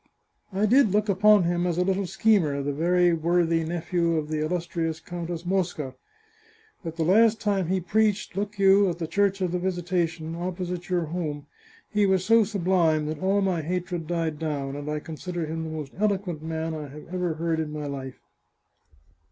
" I did look upon him as a little schemer, the very worthy nephew of the illustrious Countess Mosca. But the last time he preached, look you, at the Church of the Visitation, opposite your house, he was so sublime that all my hatred died down, and I consider him the most eloquent man I have ever heard in my life."